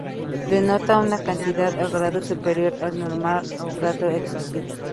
Denota una cantidad o grado superior al normal o grado excesivo.